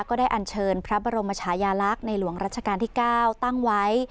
ก็ได้อันเชิญพระบรมชายาลักษณ์ในหลวงรัชกาลที่๙ตั้งไว้